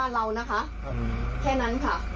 แต่ว่าอยู่ในพื้นที่บ้านเรานะคะ